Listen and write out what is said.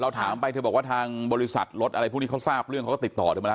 ถามไปเธอบอกว่าทางบริษัทรถอะไรพวกนี้เขาทราบเรื่องเขาก็ติดต่อเธอมาแล้ว